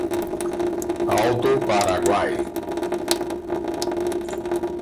Alto Paraguai